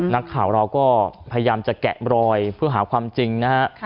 นักข่าวเราก็พยายามจะแกะรอยเพื่อหาความจริงนะฮะ